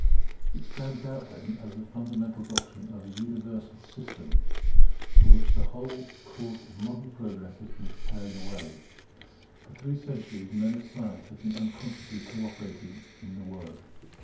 It stands out then as the fundamental doctrine of an universal system, for which the whole course of modern progress has been preparing the way. For three centuries men of science have been unconsciously co operating in the work.